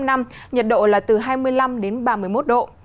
nhiệt độ là từ hai mươi năm đến ba mươi một độ